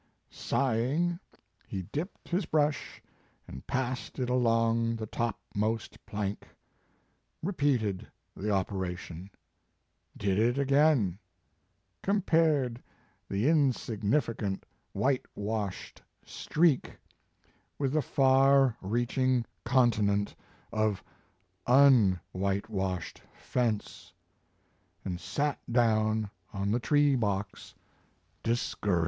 Sighing, he dipped his brush and passed it along the topmost plank; repeated the operation ; did it again; com pared the insignificant whitewashed streak with the far reaching continent of tmwhitewashed fence, and sat down on the tree box discouraged."